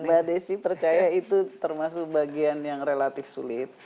mbak desi percaya itu termasuk bagian yang relatif sulit